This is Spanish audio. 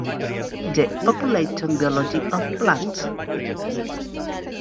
The Population biology of Plants.